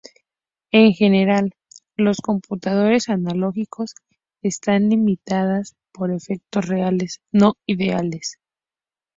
En general, los computadores analógicos están limitadas por efectos reales, no-ideales.